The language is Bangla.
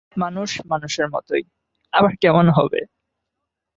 মানুষ মানুষের মতোই, আবার কেমন হবে!